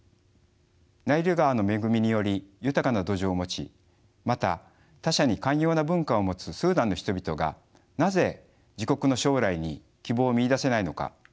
ナイル川の恵みにより豊かな土壌を持ちまた他者に寛容な文化を持つスーダンの人々がなぜ自国の将来に希望を見いだせないのか。